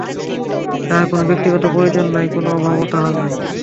তাঁহার কোন ব্যক্তিগত প্রয়োজন নাই, কোন অভাবও তাঁহার নাই।